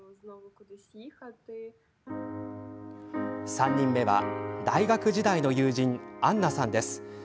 ３人目は、大学時代の友人アンナさんです。